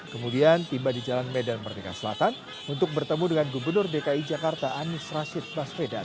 kemudian tiba di jalan medan merdeka selatan untuk bertemu dengan gubernur dki jakarta anies rashid baswedan